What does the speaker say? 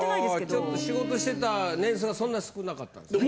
ちょっと仕事してた年数が少なかったんですね。